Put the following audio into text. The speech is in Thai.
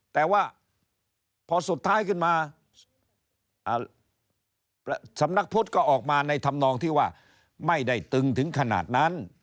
แต่ว่าพอสุดท้ายขึ้นมาสำนักพุทธก็ออกมาในธรรมนองที่ว่าไม่ได้ตึงถึงขนาดนั้น